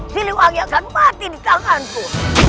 siliwangi akan mati di tanganku